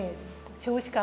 少子化